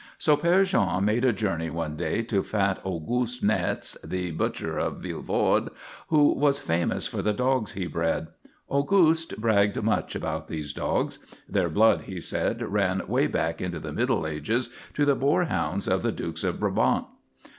So Père Jean made a journey one day to fat Auguste Naets, the butcher of Vilvorde, who was famous for the dogs he bred. Auguste bragged much about these dogs. Their blood, he said, ran away back into the Middle Ages to the boarhounds of the Dukes of Brabant.